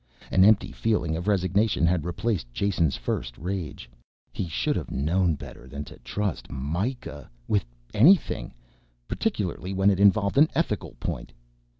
An empty feeling of resignation had replaced Jason's first rage: he should have known better than to trust Mikah with anything, particularly when it involved an ethical point.